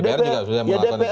dpr juga sudah melakukan itu